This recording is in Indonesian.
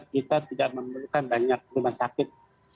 kita tidak memerlukan banyak rumah sakit